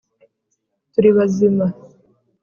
turi bazima’